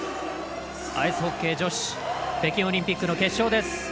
アイスホッケー女子北京オリンピックの決勝です。